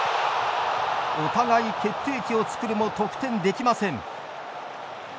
お互い決定機を作るも得点できません。